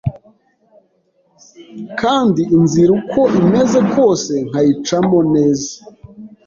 kandi inzira uko imeze kose nkayicamo neza.